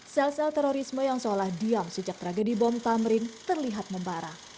sel sel terorisme yang seolah diam sejak tragedi bom tamrin terlihat membara